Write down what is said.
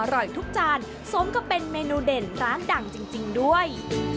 อร่อยทุกจานสมกับเป็นเมนูเด่นร้านดังจริงด้วย